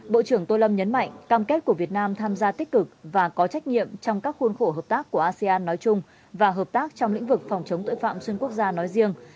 bộ trưởng tô lâm nhấn mạnh cam kết của việt nam tham gia tích cực và có trách nhiệm trong các khuôn khổ hợp tác của asean nói chung và hợp tác trong lĩnh vực phòng chống tội phạm xuyên quốc gia nói riêng